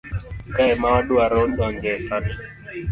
Kae ema wadwaro donje sani.